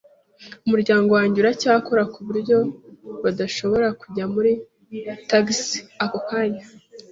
Umuryango wanjye uracyakora, kuburyo badashobora kujya muri Texas ako kanya.